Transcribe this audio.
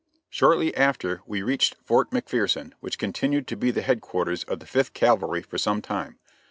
Shortly after we reached Fort McPherson, which continued to be the headquarters of the Fifth Cavalry for some time.